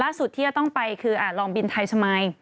ล่าสุดที่เราต้องไปคือลองบินไทยสมัย